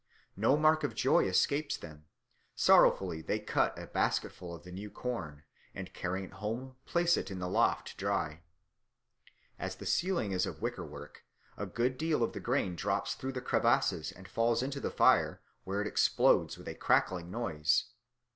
No mark of joy escapes them; sorrowfully they cut a basketful of the new corn, and carrying it home place it in the loft to dry. As the ceiling is of wickerwork, a good deal of the grain drops through the crevices and falls into the fire, where it explodes with a crackling noise.